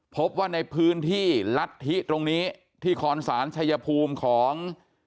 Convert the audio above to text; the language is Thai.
พบว่าในพื้นที่ลัทธิตรงนี้ที่คอนศาลชายภูมิของ